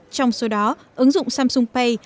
trong số đó ứng dụng samsung pay